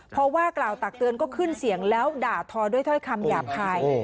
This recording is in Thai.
พอว่ากล่าวตักเตือนก็ขึ้นเสียงแล้วด่าทอด้วยถ้อยคำหยาบคาย